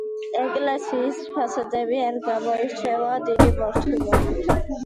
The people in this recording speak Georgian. ეკლესიის ფასადები არ გამოირჩევა დიდი მორთულობით.